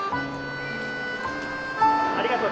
ありがとね。